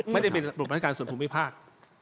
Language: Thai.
ไม่ได้เป็นระบบราชการส่วนภูมิภาค